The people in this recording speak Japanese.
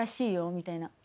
みたいな。